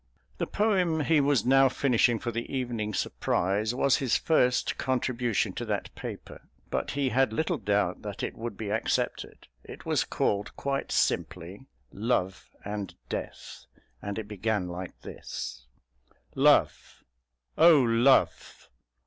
The poem he was now finishing for The Evening Surprise was his first contribution to that paper, but he had little doubt that it would be accepted. It was called quite simply "Love and Death," and it began like this: Love! O love!